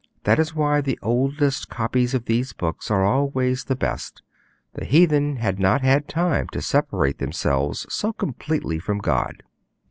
That is why the oldest copies of these books are always the best; the heathen had not had time to separate themselves so completely from God.